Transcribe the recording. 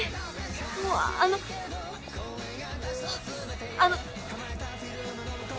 もうあのあの。